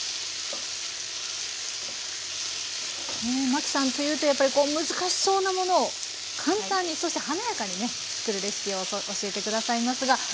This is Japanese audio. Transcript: マキさんというとやっぱり難しそうなものを簡単にそして華やかにね作るレシピを教えて下さいますが。